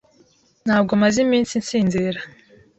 Ntabwo maze iminsi nsinzira.